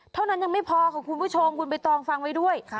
เท่านั้นยังไม่พอค่ะคุณผู้ชมคุณใบตองฟังไว้ด้วย